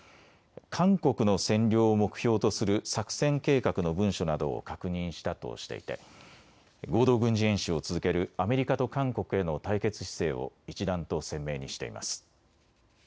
韓国の占領を目標とする作戦計画の文書などを確認したとしていて合同軍事演習を続けるアメリカと韓国への対決姿勢を一段と鮮明にしています。